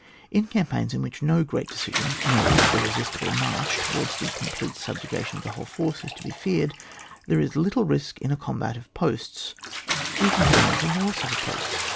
In campaigns in which no great decision, no irresistible march, towards the complete subjugation of the whole force is to be feared, there is little risk in a combat of posts, even if it ends in the loss of a post.